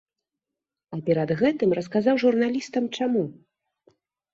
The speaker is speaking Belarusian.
А перад гэтым расказаў журналістам, чаму.